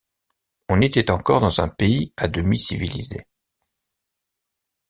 On était encore dans un pays à demi civilisé.